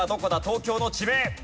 東京の地名。